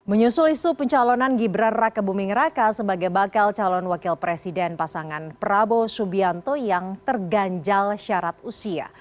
menyusul isu pencalonan gibran raka buming raka sebagai bakal calon wakil presiden pasangan prabowo subianto yang terganjal syarat usia